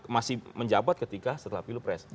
masih menjabat ketika setelah pilpres